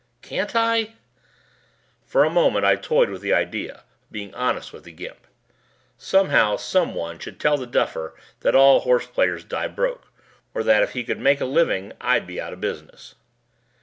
"Can't I?" For a moment I toyed with the idea of being honest with the Gimp. Somehow, someone should tell the duffer that all horse players die broke, or that if he could make a living I'd be out of business.